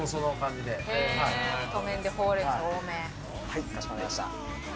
はい、かしこまりました。